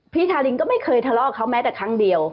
ทารินก็ไม่เคยทะเลาะกับเขาแม้แต่ครั้งเดียว